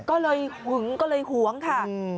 ก็เลยหวงค่ะ